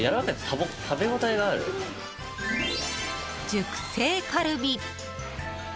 熟成カルビ。